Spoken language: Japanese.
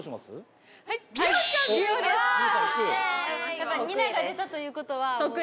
やっぱりＮＩＮＡが出たということは。